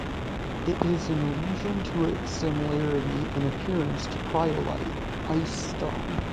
It is an allusion to its similarity and appearance to cryolite (ice stone).